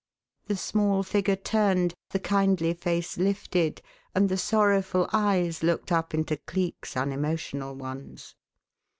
The small figure turned, the kindly face lifted, and the sorrowful eyes looked up into Cleek's unemotional ones.